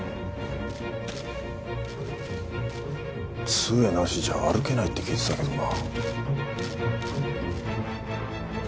つえなしじゃ歩けないって聞いてたけどな。